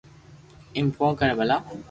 ايم ڪون ڪري ڀلا